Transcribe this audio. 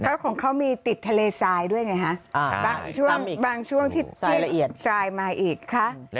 เพราะของเขามีติดทะเลทรายด้วยไงฮะบางช่วงที่ทรายมาอีกค่ะ